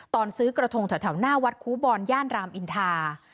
ตอนซื้อกระทงแถวหน้าวัดครูบอลย่านรามอินทา